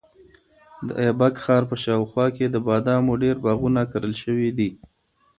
د ایبک ښار په شاوخوا کې د بادامو ډېر باغونه کرل شوي دي.